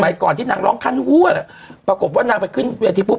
ก่อนที่นางร้องขั้นหัวปรากฏว่านางไปขึ้นเวทีปุ๊